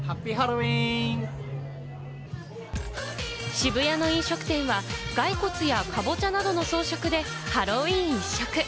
渋谷の飲食店はガイコツやカボチャなどの装飾でハロウィーン一色。